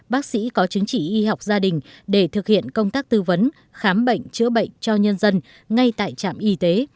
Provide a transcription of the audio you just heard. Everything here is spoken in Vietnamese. bác sĩ có chứng chỉ y học gia đình để thực hiện công tác tư vấn khám bệnh chữa bệnh cho nhân dân ngay tại trạm y tế